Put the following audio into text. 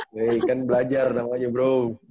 baik kan belajar namanya bro